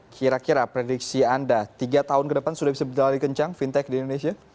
kira kira prediksi anda tiga tahun ke depan sudah bisa berlari kencang fintech di indonesia